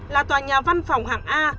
là tòa nhà văn phòng hạng a